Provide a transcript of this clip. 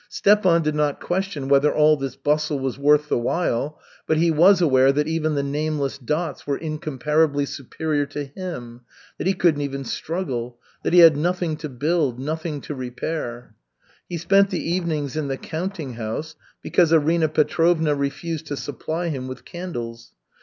Stepan did not question whether all this bustle was worth the while, but he was aware that even the nameless dots were incomparably superior to him, that he couldn't even struggle, that he had nothing to build, nothing to repair. He spent the evenings in the counting house, because Arina Petrovna refused to supply him with candles.